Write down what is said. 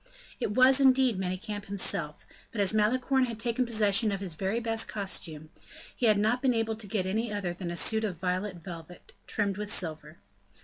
It was, indeed, Manicamp himself; but as Malicorne had taken possession of his very best costume, he had not been able to get any other than a suit of violet velvet, trimmed with silver.